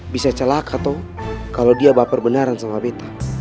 bisa celaka toh kalo dia baper benaran sama beta